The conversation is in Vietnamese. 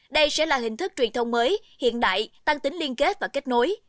đây sẽ là hình thức truyền thông mới hiện đại tăng tính liên kết và kết nối